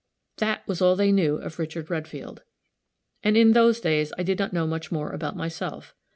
That was all they knew of Richard Redfield. And in those days I did not know much more about myself.